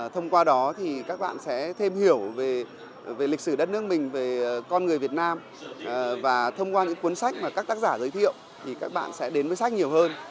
thông qua đó thì các bạn sẽ thêm hiểu về lịch sử đất nước mình về con người việt nam và thông qua những cuốn sách mà các tác giả giới thiệu thì các bạn sẽ đến với sách nhiều hơn